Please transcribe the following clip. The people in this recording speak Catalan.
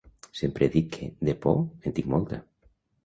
Sempre he dit que, de por, en tinc molta!